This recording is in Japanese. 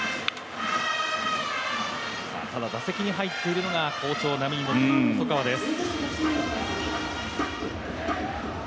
ただ打席に入っているのが好調、波に乗っている細川です。